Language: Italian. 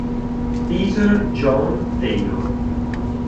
Peter John Taylor